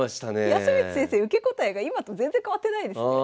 康光先生受け答えが今と全然変わってないですね。